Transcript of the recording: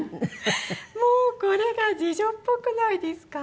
もうこれが次女っぽくないですか？